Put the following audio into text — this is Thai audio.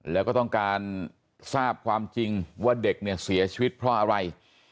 แล้วก็ต้องการทราบความจริงว่าเด็กเนี่ยเสียชีวิตเพราะอะไร